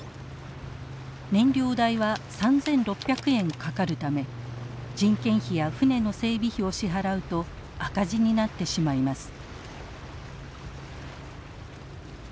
燃料代は３，６００円かかるため人件費や船の整備費を支払うと赤字になってしまいます。